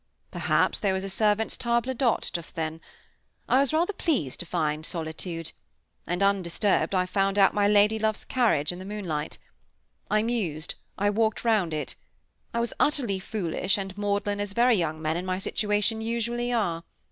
Perhaps there was a servants' table d'hôte just then. I was rather pleased to find solitude; and undisturbed I found out my lady love's carriage, in the moonlight. I mused, I walked round it; I was as utterly foolish and maudlin as very young men, in my situation, usually are.